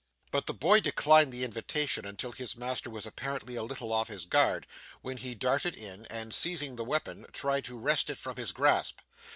But the boy declined the invitation until his master was apparently a little off his guard, when he darted in and seizing the weapon tried to wrest it from his grasp.